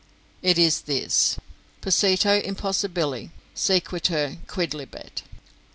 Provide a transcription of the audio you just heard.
It is this: "Posito impossibili sequitur quidlibet."